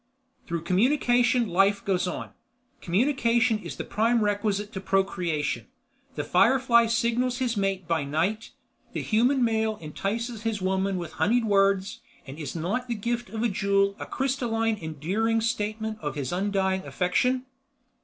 "Through communication Life goes on. Communication is the prime requisite to procreation. The firefly signals his mate by night, the human male entices his woman with honeyed words and is not the gift of a jewel a crystalline, enduring statement of his undying affection?"